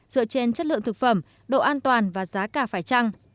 dựa trên chất lượng thực phẩm độ an toàn và giá cả phải trăng